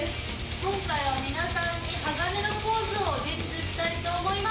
今回は皆さんにＨＡＧＡＮＥのポーズを伝授したいと思います